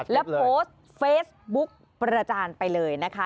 และโพสต์เฟซบุ๊กประจานไปเลยนะคะ